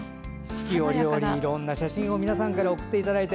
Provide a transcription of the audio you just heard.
四季折々いろんな写真を皆さんから送っていただいて。